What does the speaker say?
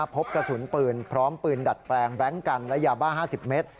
พบกระสุนปืนพร้อมปืนดัดแปลงแบล็งกันและยาบ้า๕๐เมตร